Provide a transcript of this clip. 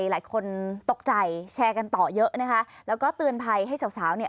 หลายคนตกใจแชร์กันต่อเยอะนะคะแล้วก็เตือนภัยให้สาวสาวเนี่ย